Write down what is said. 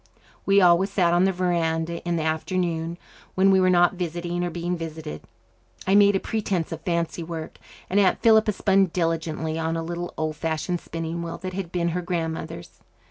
We always sat on the verandah in the afternoon, when we were not visiting or being visited. I made a pretence of fancy work, and Aunt Philippa spun diligently on a little old fashioned spinning wheel that had been her grandmother's.